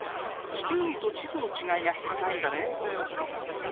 地球儀と地図の違いが知りたいんだね。